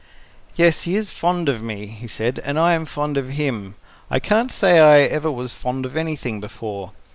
"Yes, he is fond of me," he said, "and I am fond of him. I can't say I ever was fond of anything before.